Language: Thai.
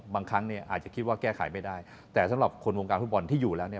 บางครั้งเนี่ยอาจจะคิดว่าแก้ไขไม่ได้แต่สำหรับคนวงการฟุตบอลที่อยู่แล้วเนี่ย